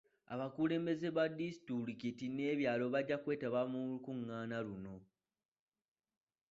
Abakulembeze ba disitulikiti n'ebyalo bajja kwetaba mu lukiiko luno.